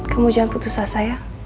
kamu jangan putus asa ya